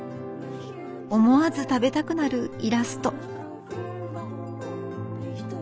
思わず食べたくなるイラスト。